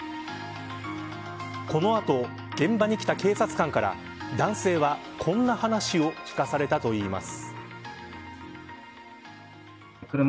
この後、現場に来た警察官から男性は、こんな話を聞かされたといいます。